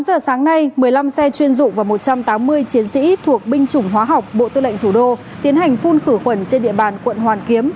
sáu giờ sáng nay một mươi năm xe chuyên dụng và một trăm tám mươi chiến sĩ thuộc binh chủng hóa học bộ tư lệnh thủ đô tiến hành phun khử khuẩn trên địa bàn quận hoàn kiếm